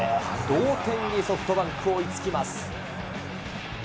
同点にソフトバンク追いつきます。